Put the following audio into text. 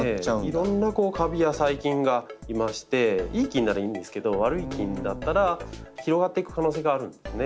いろんなカビや細菌がいましていい菌ならいいんですけど悪い菌だったら広がっていく可能性があるんですね。